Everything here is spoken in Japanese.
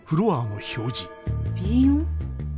Ｂ４？